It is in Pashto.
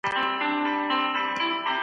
هوا مه ککړوئ.